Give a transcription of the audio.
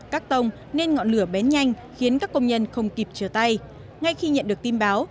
cắt tông nên ngọn lửa bén nhanh khiến các công nhân không kịp chờ tay ngay khi nhận được tin báo